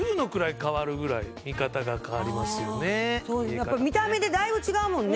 やっぱり見た目でだいぶ違うもんね。